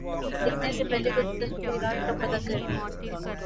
لکھنے سے پہلے کچھ تفصیلات کا پتہ کر لیں